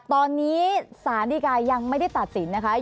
ตอนนี้สารดีกายังไม่ได้ตัดสินนะคะ